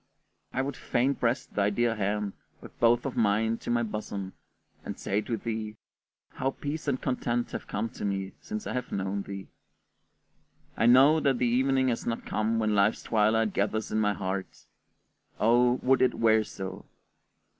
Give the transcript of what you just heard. I would fain press thy dear hand with both of mine to my bosom, and say to thee, "How peace and content have come to me since I have known thee!" I know that the evening has not come when life's twilight gathers in my heart: oh, would it were so!